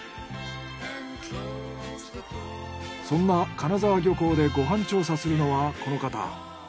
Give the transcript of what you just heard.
そんな金沢漁港でご飯調査するのはこの方。